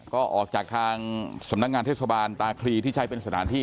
ก็ออกจากทางสำนักงานเทศบาลตาคลีที่ใช้เป็นสถานที่